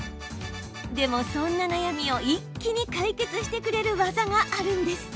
でも、そんな悩みを一気に解決してくれる技があるんです。